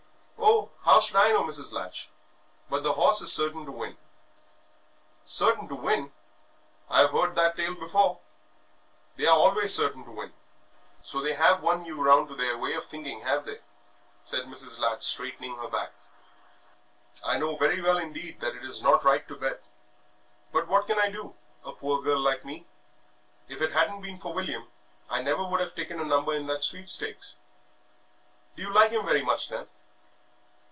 "Oh, how should I know, Mrs. Latch?... But the horse is certain to win." "Certain to win! I have heard that tale before; they are always certain to win. So they have won you round to their way of thinking, have they?" said Mrs. Latch, straightening her back. "I know very well indeed that it is not right to bet; but what can I do, a poor girl like me? If it hadn't been for William I never would have taken a number in that sweepstakes." "Do you like him very much, then?"